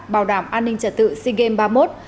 bảo đảm an ninh trật tự sea games ba mươi một